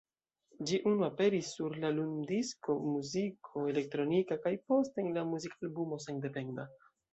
Ĝi unu aperis sur la lumdisko "Muziko Elektronika", kaj poste en la muzikalbumo "Sendependa".